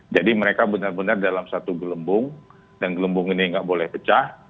jadi mereka benar benar dalam satu gelembung dan gelembung ini nggak boleh pecah